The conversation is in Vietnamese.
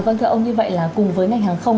vâng thưa ông như vậy là cùng với ngành hàng không